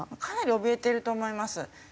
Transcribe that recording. かなりおびえていると思います。